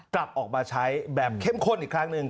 กลับออกมาใช้แบบเข้มข้นอีกครั้งหนึ่ง